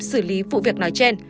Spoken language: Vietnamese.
xử lý vụ việc nói trên